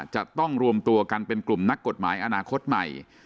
จะต้องรวมตัวกันเป็นกลุ่มนักกฎหมายอนาคตใหม่